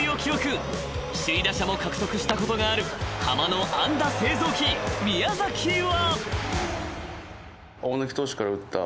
［首位打者も獲得したことがあるハマの安打製造機宮は］